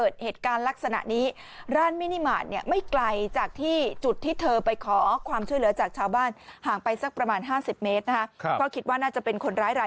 ดูภาพไปก่อนนะฮะ